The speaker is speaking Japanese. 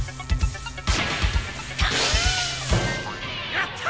やった！